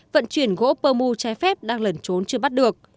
vận chuyển gỗ pơ mu trái phép đang lẩn trốn chưa bắt được